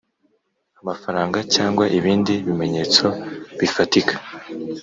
amafaranga cyangwa ibindi bimenyetso bifatika